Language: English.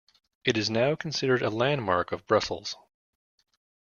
It is now considered a landmark of Brussels.